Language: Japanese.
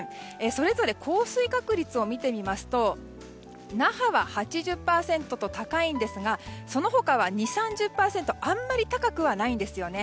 それぞれ降水確率を見てみますと那覇は８０％と高いんですがその他は、２０３０％とあまり高くはないんですよね。